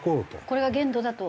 これが限度だと。